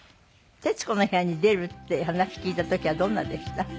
『徹子の部屋』に出るっていう話聞いた時はどんなでした？